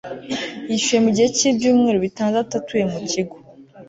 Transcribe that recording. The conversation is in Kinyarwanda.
yishyuwe mu gihe cy'ibyumweru bitandatu atuye mu kigo